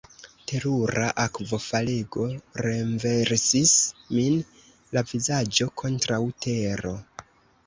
Terura akvofalego renversis min, la vizaĝo kontraŭ tero.